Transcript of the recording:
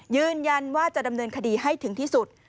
ยืนยันว่าจะดำเนินคดีให้ถึงที่สุด